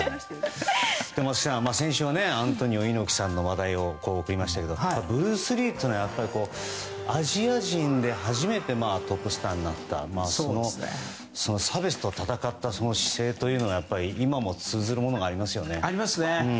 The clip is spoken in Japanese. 松木さん、先週はアントニオ猪木さんの話題をお送りしましたけどブルース・リーというのはアジア人で初めてトップスターになったその差別と戦った姿勢というのは今も通ずるものがありますよね。ありますね。